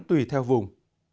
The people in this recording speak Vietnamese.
tùy theo vùng